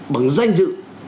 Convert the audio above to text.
bằng danh dự